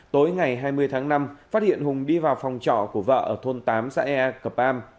tối ngày hai mươi tháng năm phát hiện hùng đi vào phòng trọ của vợ ở thôn tám xã ea cờ pam